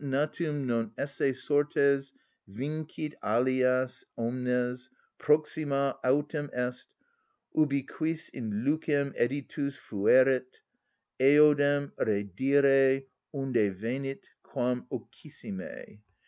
(_Natum non esse sortes vincit alias omnes: proxima autem est, ubi quis in lucem editus fuerit, eodem redire, unde venit, quam ocissime.